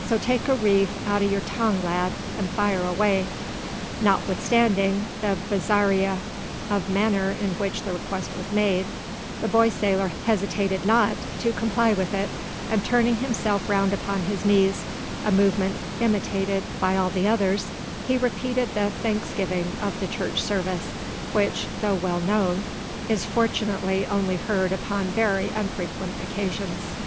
So take a reef out o' your tongue, lad, an' fire away!" Notwithstanding the bizarrerie of manner in which the request was made, the boy sailor hesitated not to comply with it; and turning himself round upon his knees, a movement imitated by all the others, he repeated that thanksgiving of the Church Service, which, though well known, is fortunately only heard upon very unfrequent occasions.